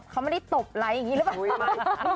เขาไม่ได้ตบไลค์อย่างนี้หรือเปล่า